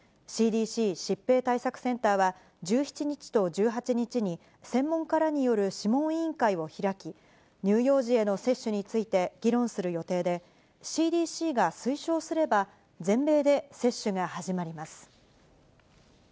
ＣＤＣ・疾病対策センターは、１７日と１８日に、専門家らによる諮問委員会を開き、乳幼児への接種について議論する予定で、ＣＤＣが推奨すれば、全米で接種が始まります。